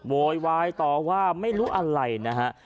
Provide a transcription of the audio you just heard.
โวยวายต่อว่าไม่รู้อะไรนะฮะ